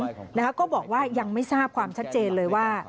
รัฐบาลภักษณ์ก็บอกว่ายังไม่ทราบความชัดเจนเลยว่า